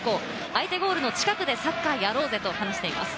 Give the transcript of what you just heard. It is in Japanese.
相手ゴールの近くでサッカーをやろうぜと話しています。